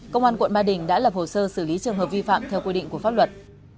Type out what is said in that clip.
công an quận ba đình đã lập hồ sơ xử lý trường hợp vi phạm theo quy định của pháp luật